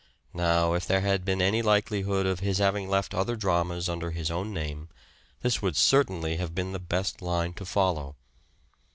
Now, if there had been any likelihood of his having left other dramas under his own name, this would certainly have been the best line to follow.